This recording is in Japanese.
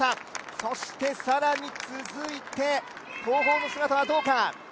そして更に続いて後方の姿はどうか？